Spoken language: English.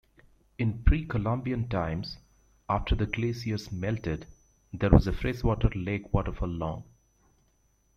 In Pre-Columbian times, after the glaciers melted, there was a freshwater lake waterfall long.